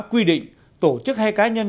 quy định tổ chức hay cá nhân